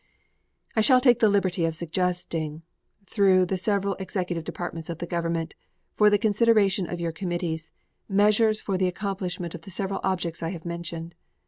I shall take the liberty of suggesting, through the several executive departments of the Government, for the consideration of your committees, measures for the accomplishment of the several objects I have mentioned.